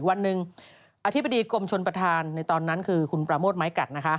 วันหนึ่งอธิบดีกรมชนประธานในตอนนั้นคือคุณปราโมทไม้กัดนะคะ